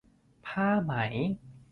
ผ้าไหม